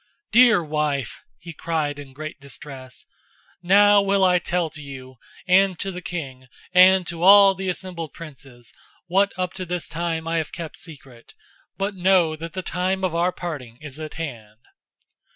"Dear wife," he cried in great distress, "now will I tell to you and to the king and to all the assembled princes, what up to this time I have kept secret; but know that the time of our parting is at hand."